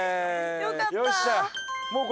よかった！